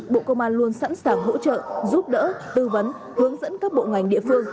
bộ công an luôn sẵn sàng hỗ trợ giúp đỡ tư vấn hướng dẫn các bộ ngành địa phương